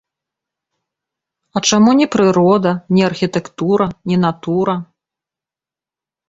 А чаму не прырода, не архітэктара, не натура?